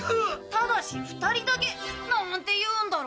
「ただし２人だけ」なんて言うんだろ？